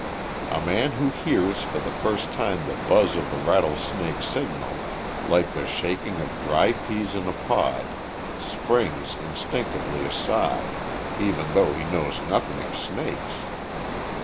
A man who hears for the first time the buzz of the rattlesnake's signal, like the shaking of dry peas in a pod, springs instinctively aside, even though he knows nothing of snakes.